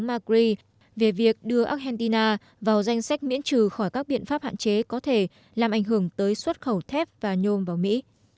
macri về việc đưa argentina vào danh sách miễn trừ khỏi các biện pháp hạn chế có thể làm ảnh hưởng tới xuất khẩu thép và nhôm vào mỹ